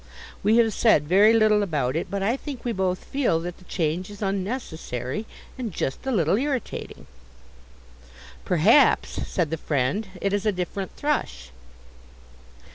We have said very little about it, but I think we both feel that the change is unnecessary, and just a little irritating." "Perhaps," said the friend, "it is a different thrush."